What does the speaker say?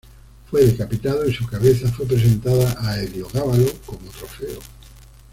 Fue decapitado y su cabeza fue presentada a Heliogábalo como trofeo.